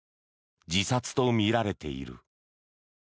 自殺とみられている。